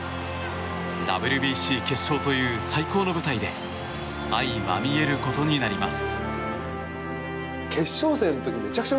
ＷＢＣ決勝という最高の舞台で相まみえることになります。